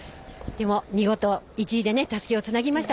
でも見事１位でたすきをつなぎました。